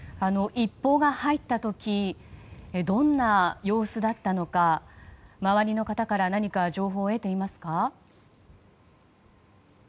一報が入った時どんな様子だったのか周りの方から何か情報を得ていますか？